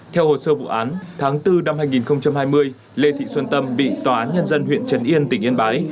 theo hồ sơ vụ án tháng bốn năm hai nghìn hai mươi lê thị xuân tâm bị tòa án nhân dân huyện trần yên tỉnh yên bái